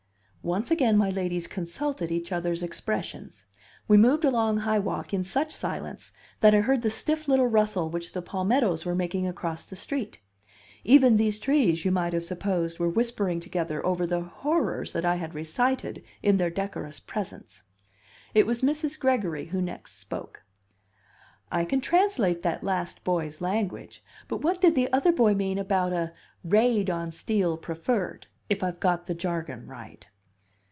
Once again my ladies consulted each other's expressions; we moved along High Walk in such silence that I heard the stiff little rustle which the palmettos were making across the street; even these trees, you might have supposed, were whispering together over the horrors that I had recited in their decorous presence. It was Mrs. Gregory who next spoke. "I can translate that last boy's language, but what did the other boy mean about a 'raid on Steel Preferred' if I've got the jargon right?"